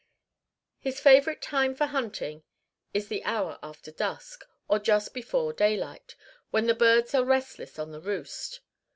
His favorite time for hunting is the hour after dusk, or just before daylight, when the birds are restless on the roost.